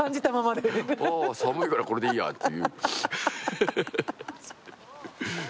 ああ寒いからこれでいいやっていう。